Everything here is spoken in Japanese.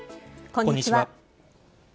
こんにちは。